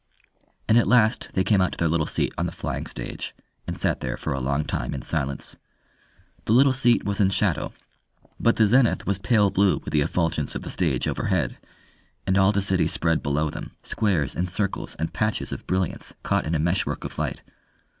And at last they came out to their little seat on the flying stage, and sat there for a long time in silence. The little seat was in shadow, but the zenith was pale blue with the effulgence of the stage overhead, and all the city spread below them, squares and circles and patches of brilliance caught in a mesh work of light.